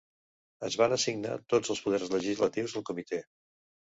Es van assignar tots els poders legislatius al Comitè.